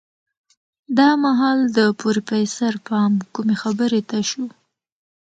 دا مهال د پروفيسر پام کومې خبرې ته شو.